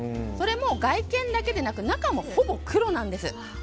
それも、外見だけでなく中もほぼ黒なんです。